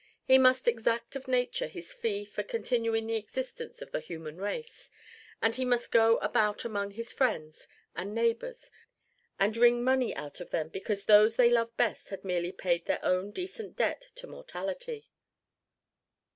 He must exact of Nature his fee for continuing the existence of the human race; and he must go about among his friends and neighbors and wring money out of them because those they loved best had merely paid their own decent debt to mortality.